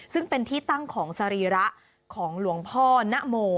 ซึ่งเป็นที่ตั้งของสรีระของหลวงพ่อนโม